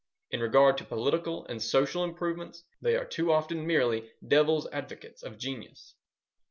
In regard to political and social improvements, they are too often merely Devil's Advocates of genius.